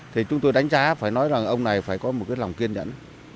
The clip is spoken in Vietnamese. thì chúng tôi đánh giá phải nói là ông này phải có một lòng kiên nhẫn